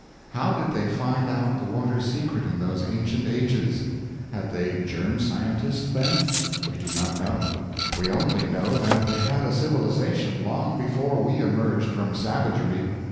How did they find out the water's secret in those ancient ages? Had they germ scientists then? We do not know. We only know that they had a civilization long before we emerged from savagery.